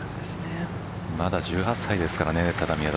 まだ１８歳ですからね。